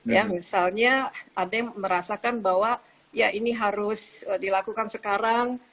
ya misalnya ada yang merasakan bahwa ya ini harus dilakukan sekarang